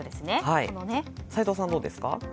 齋藤さん、どうですか？